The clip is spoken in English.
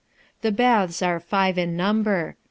The baths are five in number.